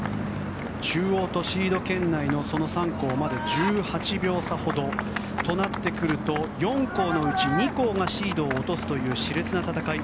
中央とシード圏内の３校まで１８秒差ほど。となってくると４校のうち２校がシードを落とすという熾烈な戦い。